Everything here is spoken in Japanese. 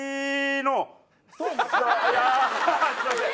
いやすいません